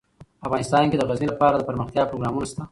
افغانستان کې د غزني لپاره دپرمختیا پروګرامونه شته.